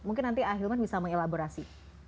mungkin nanti ahilman bisa mengelaborasi